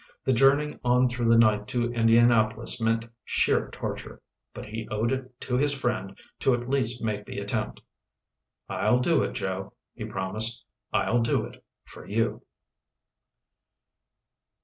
The journey on through the night to Indianapolis meant sheer torture. But he owed it to his friend to at least make the attempt. "I'll do it, Joe," he promised. "I'll do it for you."